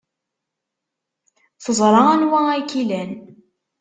Teẓra anwa ay k-ilan.